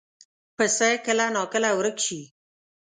پسه کله ناکله ورک شي.